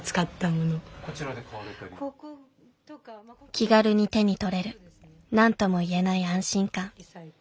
気軽に手に取れる何とも言えない安心感。